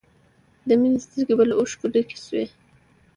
د مینې سترګې به له اوښکو ډکې شوې